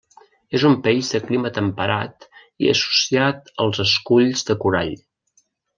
És un peix de clima temperat i associat als esculls de corall.